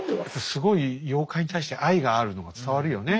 すごい妖怪に対して愛があるのが伝わるよね